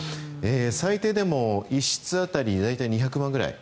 最低でも１室当たり大体２００万ぐらい。